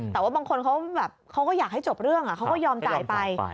แต่ว่าบางคนเขาแบบเขาก็อยากให้จบเรื่องเขาก็ยอมจ่ายไป